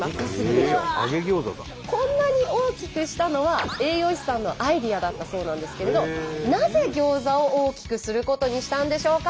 こんなに大きくしたのは栄養士さんのアイデアだったそうなんですけれどなぜギョーザを大きくすることにしたんでしょうか？